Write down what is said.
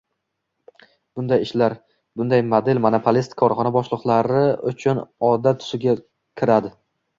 Bunday ishlar, bunday “model” monopolist korxona boshliqlari uchun odat tusiga kiradi